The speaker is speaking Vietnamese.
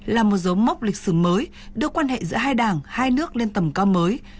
là một dấu mốc lịch sử mới đưa quan hệ giữa hai đảng hai nước lên tầm cao mới